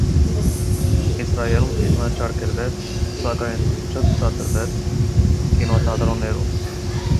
Իսրայելում ֆիլմը չարգելվեց, սակայն չցուցադրվեց կինոթատրոններում։